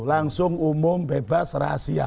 langsung umum bebas rahasia